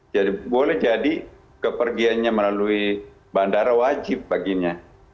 boleh jadi kepergiannya melalui bandara wajib baginya